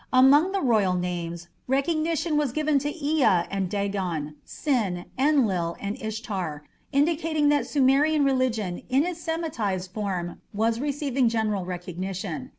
Among the royal names, recognition was given to Ea and Dagan, Sin, Enlil, and Ishtar, indicating that Sumerian religion in its Semitized form was receiving general recognition.